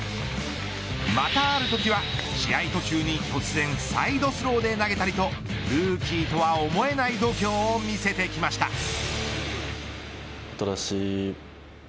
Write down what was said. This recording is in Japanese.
またあるときは試合途中に突然サイドスローで投げたりとルーキーとは思えない度胸を見せてきました。